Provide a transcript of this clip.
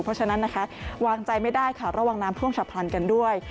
เพราะฉะนั้นนะคะวางใจไม่ได้ค่ะระวังน้ำท่วมฉับพลันกันด้วย